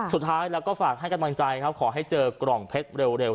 สุดท้ายแล้วก็ฝากให้กำลังใจครับขอให้เจอกล่องเพชรเร็ว